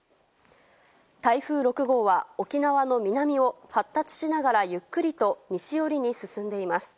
台風６号は沖縄の南を発達しながらゆっくりと西寄りに進んでいます。